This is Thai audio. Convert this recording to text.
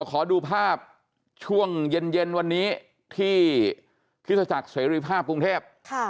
ขอดูภาพช่วงเย็นวันนี้ที่คริสตจักรเสรีภาพกรุงเทพ